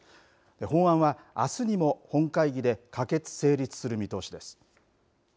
法案は、あすにも本会議で可決・成立する見通しです。